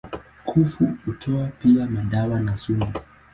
Kuvu hutoa pia madawa na sumu.